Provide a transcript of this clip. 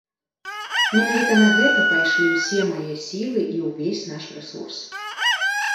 Менавіта на гэта пайшлі ўсе мае сілы і ўвесь наш рэсурс.